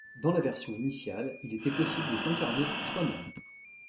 Dans la version initiale, il était possible de s'incarner soi-même.